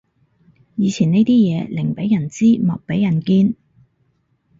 以前呢啲嘢寧俾人知莫俾人見